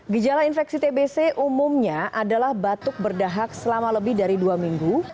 gejala infeksi tbc umumnya adalah batuk berdahak selama lebih dari dua minggu